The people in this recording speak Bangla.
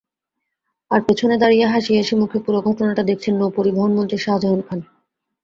আর পেছনে দাঁড়িয়ে হাসি হাসি মুখে পুরো ঘটনা দেখছেন নৌপরিবহনমন্ত্রী শাজাহান খান।